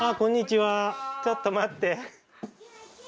ちょっと待って。